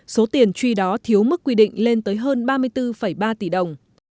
số tiền truy đó thiếu mức quy định lên tới hơn ba mươi bốn ba tỷ đồng